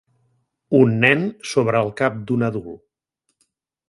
Un nen sobre el cap d'un adult.